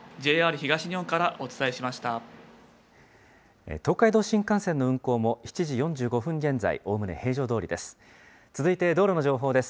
東海道新幹線の運行も、７時４５分現在、おおむね平常どおりです。